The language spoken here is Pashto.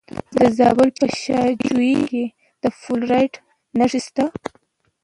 د زابل په شاجوی کې د فلورایټ نښې شته.